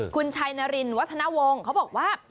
คุณชัยนารินวัฒนวงศ์เขาบอกว่า